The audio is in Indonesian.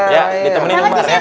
ya ditemani umarnya ya